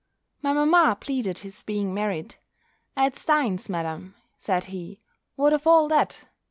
My mamma pleaded his being married. "Ads dines, Madam," said he, "what of all that!"